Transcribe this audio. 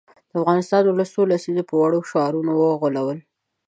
د افغان ولس څو لسیزې په وړو شعارونو وغولول شو.